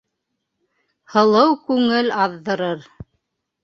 Һылыу күңел аҙҙырыр